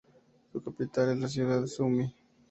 Su capital es la ciudad Sumy.